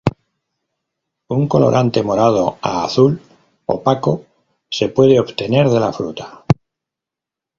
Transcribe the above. Un colorante morado a azul opaco se puede obtener de la fruta.